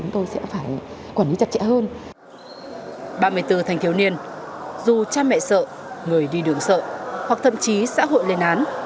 ba mươi bốn thanh thiếu niên dù cha mẹ sợ người đi đường sợ hoặc thậm chí xã hội lên án